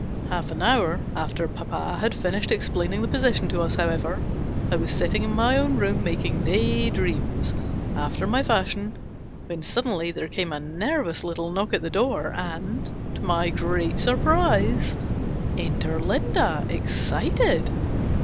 Half an hour after papa had finished explain ing the position to us, however, I was sitting in my own room, making day dreams after my 322 GENERAL PASSAVANT'S WILL. fashion, when suddenly there came a nervous little knock at the door, and, to my great surprise, enter Linda, excited.